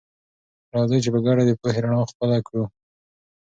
راځئ چې په ګډه د پوهې رڼا خپله کړه.